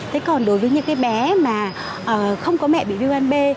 thế còn đối với những cái bé mà không có mẹ bị viêm gan b